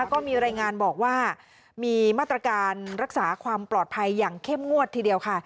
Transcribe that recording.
ก็มีรายงานบอกว่ามีมาตรการรักษาความปลอดภัยอย่างเข้มงวดทีเดียวค่ะ